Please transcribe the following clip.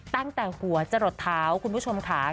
ตั้งแต่หัวจะหลดเท้าคุณผู้ชมค่ะ